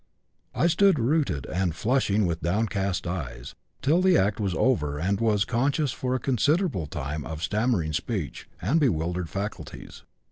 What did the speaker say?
I stood rooted and flushing with downcast eyes till the act was over and was conscious for a considerable time of stammering speech and bewildered faculties.